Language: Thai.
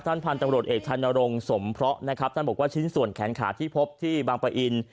พันธุ์ตำรวจเอกชานรงค์สมเพราะนะครับท่านบอกว่าชิ้นส่วนแขนขาที่พบที่บางปะอิน